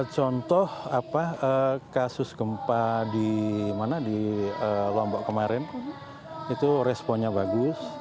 contoh kasus gempa di lombok kemarin itu responnya bagus